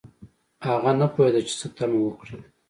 هغه نه پوهیده چې څه تمه وکړي